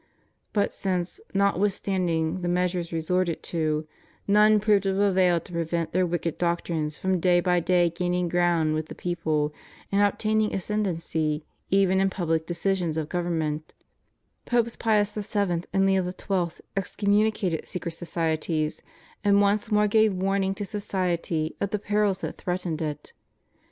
But since, notwithstanding the measures resorted to, none proved of avail to prevent their wicked doctrines from day by day gaining ground with the people, and obtaining ascend ency even in pubUc decisions of government, Popes Pius VII, and Leo XII, excommunicated secret societies, and once more gave warning to society of the perils that threatened it.